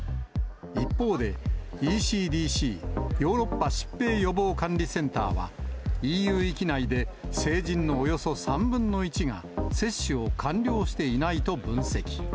一方で、ＥＣＤＣ・ヨーロッパ疾病予防管理センターは、ＥＵ域内で成人のおよそ３分の１が、接種を完了していないと分析。